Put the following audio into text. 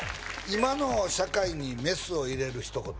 「今の社会にメスを入れる一言」